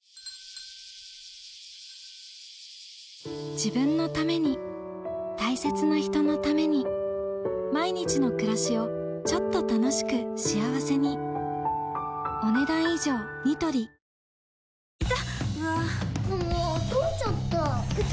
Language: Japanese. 自分のために大切な人のために毎日の暮らしをちょっと楽しく幸せに下の子も ＫＵＭＯＮ を始めた